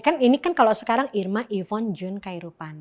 kan ini kan kalau sekarang irma ifon jun kairupan